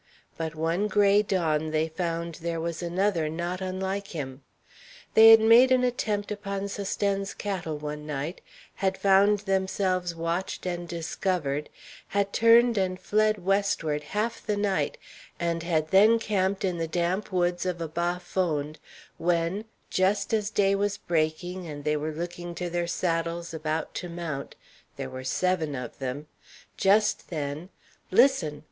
But one gray dawn they found there was another not unlike him. They had made an attempt upon Sosthène's cattle one night; had found themselves watched and discovered; had turned and fled westward half the night, and had then camped in the damp woods of a bas fond; when, just as day was breaking and they were looking to their saddles about to mount there were seven of them just then listen!